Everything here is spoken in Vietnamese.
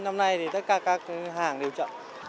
năm nay thì tất cả các hàng đều chậm